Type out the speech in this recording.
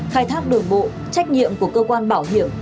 khai thác đường bộ trách nhiệm của cơ quan bảo hiểm